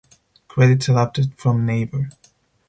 Credits adapted from Naver.